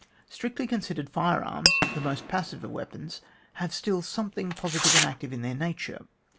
Strictly considered, fire arms, the most passive of weapons, have still some thing positive and active in their nature.